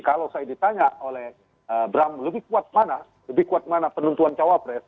kalau saya ditanya oleh bram lebih kuat mana penentuan cawapres